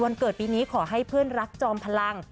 เกิดปีนี้ขอให้เพื่อนรักจอมพลัง